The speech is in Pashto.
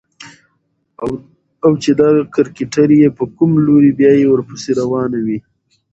او چې دا کرکټر يې په کوم لوري بيايي ورپسې روانه وي.